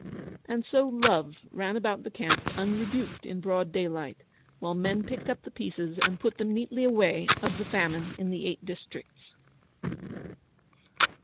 And so Love ran about the camp unrebuked in broad daylight, while men picked up the pieces and put them neatly away of the Famine in the Eight Districts.